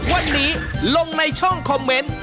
วันนี้ลงในช่องคอมเมนต์